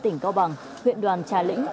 tỉnh cao bằng huyện đoàn trà lĩnh